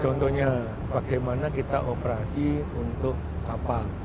contohnya bagaimana kita operasi untuk kapal